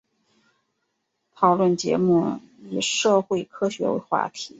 讨论节目以社会科学为话题。